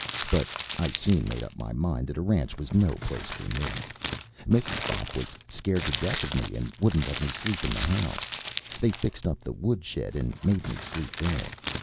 But I soon made up my mind that a ranch was no place for me. Mrs. Bopp was scared to death of me and wouldn't let me sleep in the house. They fixed up the woodshed and made me sleep there.